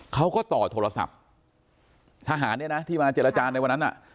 เขาก็ต่อโทรศัพท์ทหารเนี่ยนะที่มาเจรจาในวันนั้นอ่ะ